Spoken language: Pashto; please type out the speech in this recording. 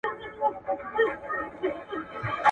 که اوبو رنګ وي نو انځور نه وچ پاتې کیږي.